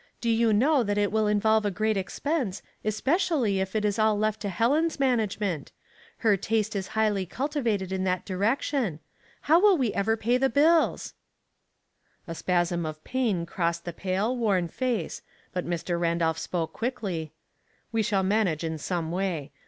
Do you know that it will involve a great expense, especially if it is all left to Helen's management. Her taste is highly cultivated in that direction. How will we ever pay the bills ?" 100 Household Puzzles, A spasm as of paia crossed the pale, worn face, but Mr. Randolph spoke quickly, —" We shall manage in some way.